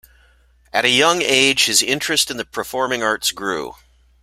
At a young age, his interest in the performing arts grew.